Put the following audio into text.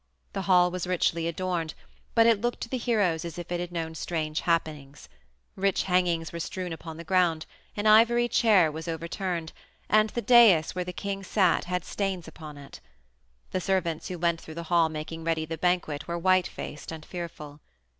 The hall was richly adorned, but it looked to the heroes as if it had known strange happenings; rich hangings were strewn upon the ground, an ivory chair was overturned, and the dais where the king sat had stains upon it. The servants who went through the hall making ready the banquet were white faced and fearful.